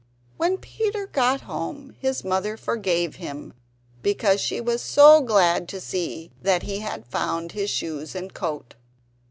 When Peter got home his mother forgave him, because she was so glad to see that he had found his shoes and coat.